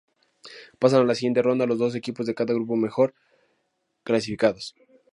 Pasan a la siguiente ronda los dos equipos de cada grupo mejor clasificados.